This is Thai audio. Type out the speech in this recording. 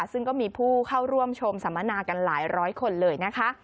ซึ่งก็มีผู้เข้าร่วมชมสัมมนากันหลายร้อยคนเลยนะคะ